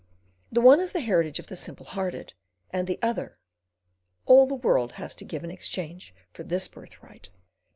The one is the heritage of the simple hearted, and the other—all the world has to give in exchange for this birthright.